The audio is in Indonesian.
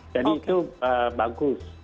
jadi itu bagus